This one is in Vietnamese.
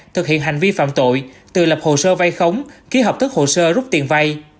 thực hiện hành vi phạm tội từ lập hồ sơ vay khống ký hợp thức hồ sơ rút tiền vai